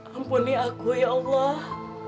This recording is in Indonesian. ampuni aku ya allah